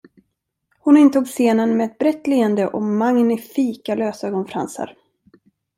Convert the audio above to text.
Hon intog scenen med ett brett leende och magnifika lösögonfransar.